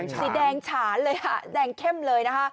สีแดงฉานเลยค่ะแดงเข้มเลยนะคะ